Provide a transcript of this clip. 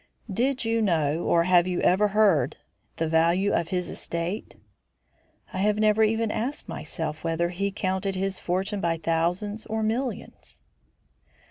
"Did you know, or have you ever heard, the value of his estate?" "I have never even asked myself whether he counted his fortune by thousands or millions."